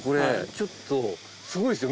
ちょっとすごいですよ。